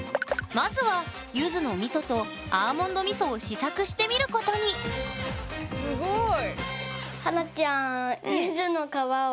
まずはゆずのみそとアーモンドみそを試作してみることにすごい。